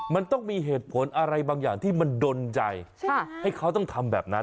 มันต้องมีเหตุผลอะไรบางอย่างที่มันดนใจให้เขาต้องทำแบบนั้น